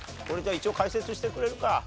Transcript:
これ一応解説してくれるか？